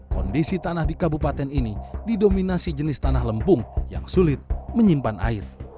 kondisi tanah di kabupaten ini didominasi jenis tanah lempung yang sulit menyimpan air